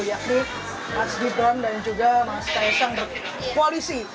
yakni mas gibran dan juga mas kaisang berkoalisi